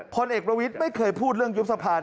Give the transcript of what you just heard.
พลเอกประวิทย์ไม่เคยพูดเรื่องยุบสภา